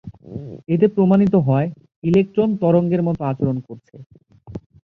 এতে প্রমাণিত হয় ইলেক্ট্রন তরঙ্গের মত আচরণ করছে।